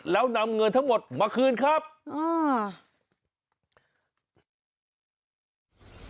แล้วนำเงินทั้งหมดมาคืนครับอ่า